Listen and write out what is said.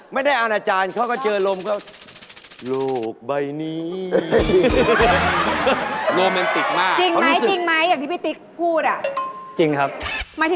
ไม่ได้อนาจารย์เขาก็เจอลมเขา